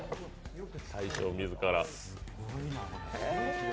大将自ら。